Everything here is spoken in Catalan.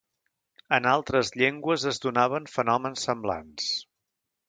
En altres llengües es donaven fenòmens semblants.